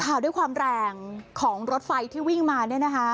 ด้วยความแรงของรถไฟที่วิ่งมาเนี่ยนะคะ